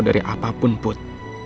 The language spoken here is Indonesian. dari apapun put